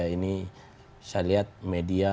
ini saya lihat media